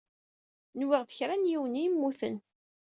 Nwiɣ d kra n yiwen i yemmuten.